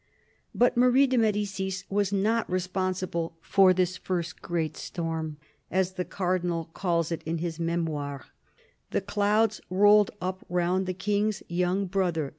But Marie de Medicis was not responsible for this first great " storm," as the Cardinal calls it in his Memoirs. The clouds rolled up round the King's young brother.